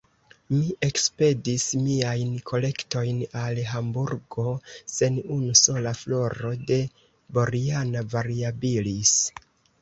Mi ekspedis miajn kolektojn al Hamburgo, sen unu sola floro de Boriana variabilis.